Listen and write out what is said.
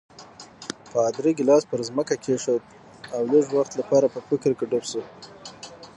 پادري ګیلاس پر ځمکه کېښود او لږ وخت لپاره په فکر کې ډوب شو.